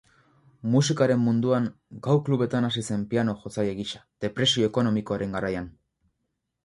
Musikaren munduan gau-klubetan hasi zen piano-jotzaile gisa, depresio ekonomikoaren garaian.